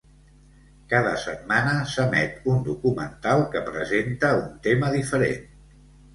Cada setmana s'emet un documental que presenta un tema diferent.